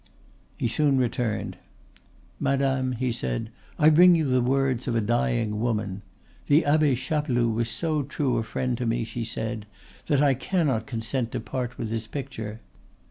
He soon returned. "Madame," he said, "I bring you the words of a dying woman. 'The Abbe Chapeloud was so true a friend to me,' she said, 'that I cannot consent to part with his picture.